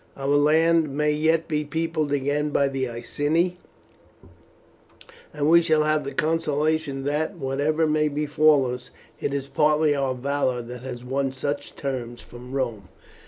Our land may yet be peopled again by the Iceni, and we shall have the consolation that, whatever may befall us, it is partly our valour that has won such terms from Rome.